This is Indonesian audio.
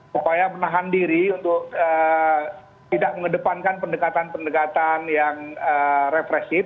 supaya menahan diri untuk tidak mengedepankan pendekatan pendekatan yang represif